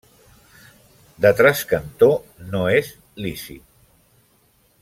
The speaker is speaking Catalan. De trascantó no és lícit.